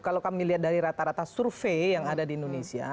kalau kami lihat dari rata rata survei yang ada di indonesia